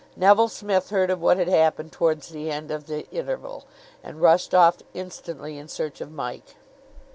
Neville Smith heard of what had happened towards the end of the interval, and rushed off instantly in search of Mike.